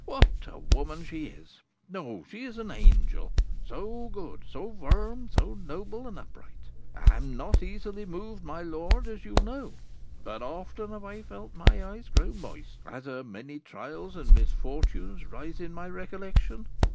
What a woman she is! No, she is an angel! so good, so firm, so noble, and upright! I am not easily moved, my lord, as you know; but often have I felt my eyes grow moist, as her many trials and misfortunes rise to my recollection.